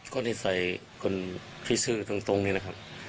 คนที่ใส่กนที่ชื่อตรงนี้นะครับ